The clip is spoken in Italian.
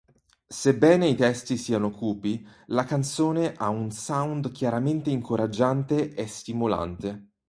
Sebbene i testi siano cupi, la canzone ha un sound chiaramente incoraggiante e stimolante.